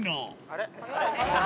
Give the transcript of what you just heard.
あれ？